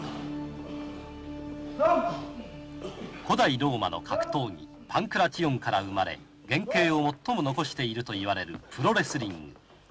古代ローマの格闘技パンクラチオンから生まれ原形を最も残していると言われるプロレスリング。